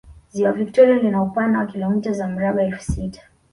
Ziwa Vitoria lina upana wa kilomita za mraba elfu sita